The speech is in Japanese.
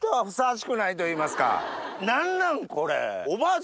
何なんこれ？